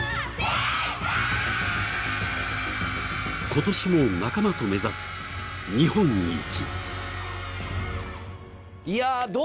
今年も仲間と目指す日本一。